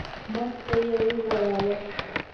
مخ ته یې وغوړاوه.